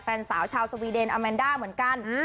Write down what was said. แฟนสาวชาวสวีเดนอาแมนด้าเหมือนกัน